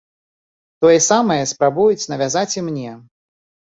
Тое самае спрабуюць навязаць і мне.